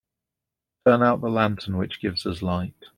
Turn out the lantern which gives us light.